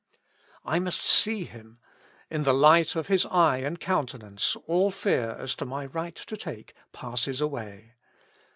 I must see him : in the light of his eye and countenance all fear as to my right to take passes away.